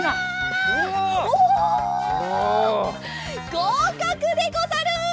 ごうかくでござる！